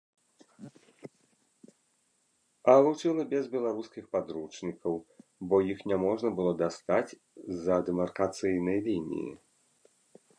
А вучыла без беларускіх падручнікаў, бо іх няможна было дастаць з-за дэмаркацыйнай лініі.